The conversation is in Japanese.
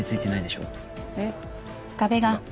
えっ。